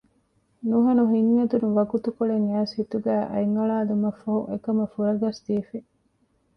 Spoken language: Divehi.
ނުހަނު ހިތް އެދުނު ވަގުތުކޮޅެއް އައިސް ހިތުގައި އަތް އަޅާލުމަށްފަހު އެކަމަށް ފުރަގަސްދީފަ